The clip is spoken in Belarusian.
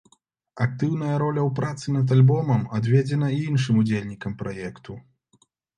Актыўная роля ў працы над альбомам адведзена і іншым удзельнікам праекту.